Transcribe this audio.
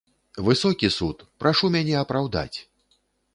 Высокі суд, прашу мяне апраўдаць.